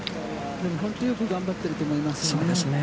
でも本当によく頑張ってると思いますね。